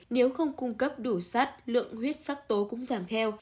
nếu không cung cấp đủ sắt lượng huyết sắc tố cũng giảm theo